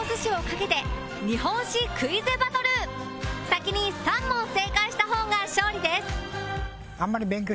先に３問正解した方が勝利です